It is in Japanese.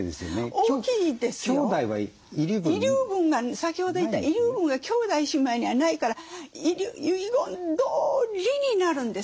先ほど言った遺留分が兄弟姉妹にはないから遺言どおりになるんです。